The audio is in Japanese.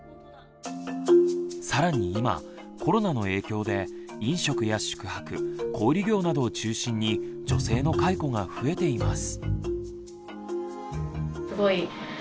更に今コロナの影響で飲食や宿泊小売業などを中心に女性の解雇が増えています。